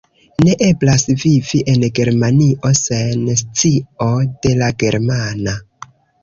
Ne eblas vivi en Germanio sen scio de la germana!